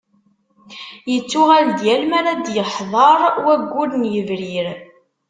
Yettuɣal-d yal mi ara d-yeḥḍer waggur n yebrir.